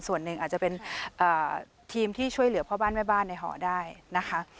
ส่วนหนึ่งอาจจะเป็นทีมที่ช่วยเหลือพ่อบ้านแม่บ้านในหอได้นะคะ